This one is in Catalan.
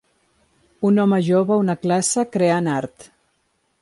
Un home jove a una classe creant art.